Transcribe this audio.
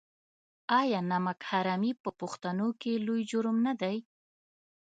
آیا نمک حرامي په پښتنو کې لوی جرم نه دی؟